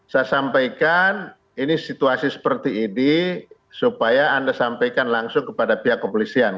saya sampaikan ini situasi seperti ini supaya anda sampaikan langsung kepada pihak kepolisian